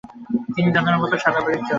চিনির দানার মতো সাদা বালির চর পড়েছে।